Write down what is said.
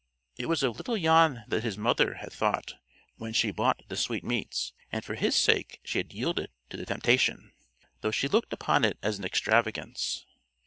It was of little Jan that his mother had thought when she bought the sweetmeats, and for his sake she had yielded to the temptation, though she looked upon it as an extravagance.